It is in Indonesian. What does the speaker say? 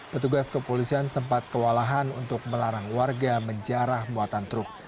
petugas kepolisian sempat kewalahan untuk melarang warga menjarah muatan truk